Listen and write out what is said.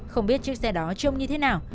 không biết chiếc xe đó trông như thế nào